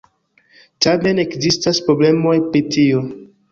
Tamen ekzistas problemoj pri tio.